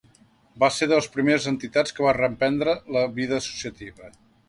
Va ser de les primeres entitats que va reprendre la vida associativa.